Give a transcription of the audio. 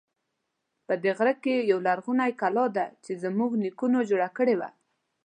په دې غره کې یوه لرغونی کلا ده چې زمونږ نیکونو جوړه کړی و